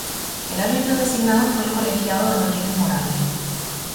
El árbitro designado fue el colegiado Rodríguez Morales.